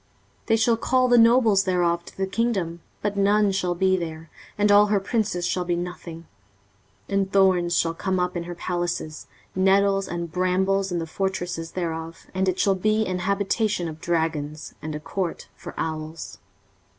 23:034:012 They shall call the nobles thereof to the kingdom, but none shall be there, and all her princes shall be nothing. 23:034:013 And thorns shall come up in her palaces, nettles and brambles in the fortresses thereof: and it shall be an habitation of dragons, and a court for owls.